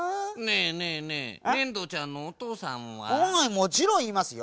もちろんいますよ。